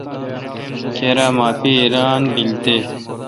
کیر معافی اعلان بیل تے۔